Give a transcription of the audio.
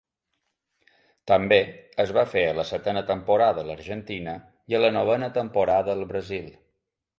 També es va fer a la setena temporada a l'Argentina i a la novena temporada al Brasil.